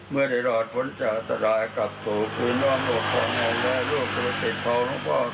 เมื่อได้รอดพ้นชะตลายกลับสู่พื้นร่องหลวงพ่อแม่และลูกพระพุทธ